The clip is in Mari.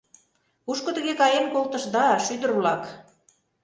— Кушко тыге каен колтышда, шӱдыр-влак?